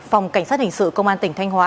phòng cảnh sát hình sự công an tỉnh thanh hóa